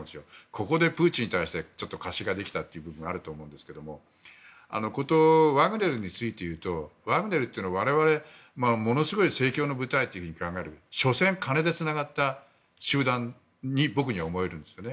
ここでプーチンに対して貸しができたという部分があると思いますがことワグネルについていうとワグネルって我々はすごく盛況の部隊と考えると所詮、金でつながった団体に僕には思えるんですね。